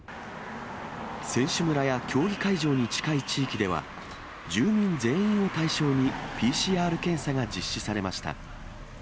選手村や競技会場に近い地域では、住民全員を対象にＰＣＲ検査が実施されました。